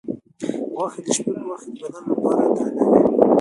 غوښه د شپې په وخت کې د بدن لپاره درنه وي.